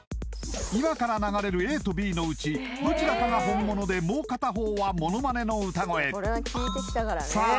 今から流れるＡとＢのうちどちらかが本物でもう片方はモノマネの歌声さあ